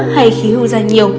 hay khí hưu ra nhiều